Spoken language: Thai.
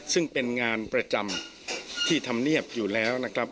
ซึ่งเป็นงานประจำที่ธรรมเนียบอยู่แล้วนะครับ